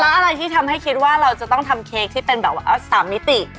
แล้วอะไรที่ทำให้คิดว่าเราจะต้องทำเค้กที่เป็นแบบว่า๓มิติ